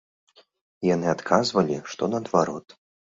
Яны адказвалі, што наадварот.